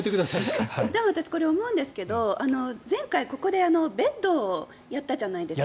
私思うんですけど前回、ここでベッドをやったじゃないですか。